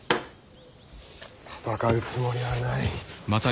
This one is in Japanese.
戦うつもりはない。